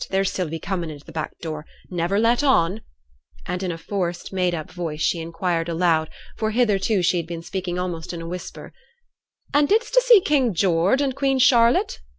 there's Sylvie coming in at t' back door; never let on,' and in a forced made up voice she inquired aloud, for hitherto she had been speaking almost in a whisper, 'And didst ta see King George an' Queen Charlotte?'